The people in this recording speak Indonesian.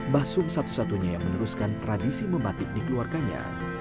basum satu satunya yang meneruskan tradisi membatik di keluarganya